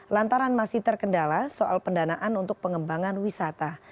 lantaran masih terkendala soal pendanaan untuk pengembangan wisata